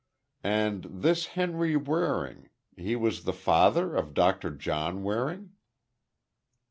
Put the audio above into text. "And this Henry Waring—he was the father of Doctor John Waring?"